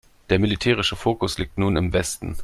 Der militärische Fokus liegt nun im Westen.